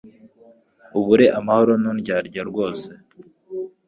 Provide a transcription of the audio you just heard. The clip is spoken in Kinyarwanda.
Ubure amahoro nundyarya zose